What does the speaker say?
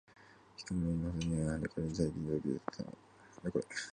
光は岩肌にぶつかり、跳ね返り、大気に溶け、霧散するだけ